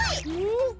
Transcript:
ん？